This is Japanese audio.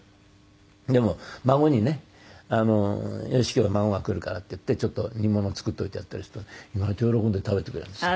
でも孫にねよし今日は孫が来るからっていってちょっと煮物作っておいてやったりするとね意外と喜んで食べてくれるんです。